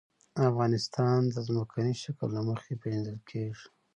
افغانستان د ځمکنی شکل له مخې پېژندل کېږي.